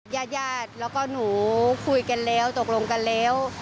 ญาติญาติแล้วก็หนูคุยกันแล้วตกลงกันแล้ว